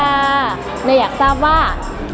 ฉันอยากทราบว่า